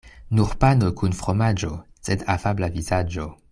Nur pano kun fromaĝo, sed afabla vizaĝo.